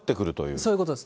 そういうことです。